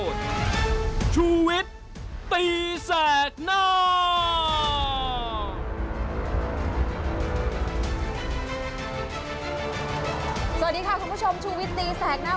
สวัสดีค่ะคุณผู้ชมชูวิตตีแสกหน้า